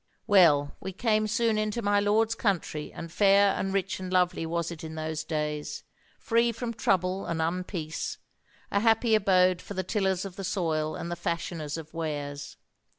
"Well, we came soon into my lord's country, and fair and rich and lovely was it in those days; free from trouble and unpeace, a happy abode for the tillers of the soil, and the fashioners of wares.